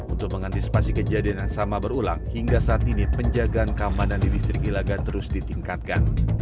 untuk mengantisipasi kejadian yang sama berulang hingga saat ini penjagaan keamanan di distrik ilaga terus ditingkatkan